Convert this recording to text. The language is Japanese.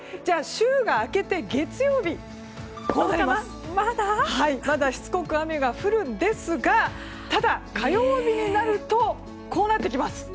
週が明けて、月曜日まだしつこく雨が降るんですがただ、火曜日になるとこうなってきます。